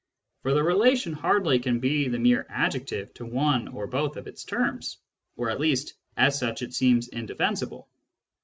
For the relation hardly can be the mere adjective of one or both of its terms ; or, at least, as such it seems indefensible.